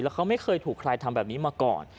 เขาไม่เคยถูกใครทำแบบนี้มาก่อน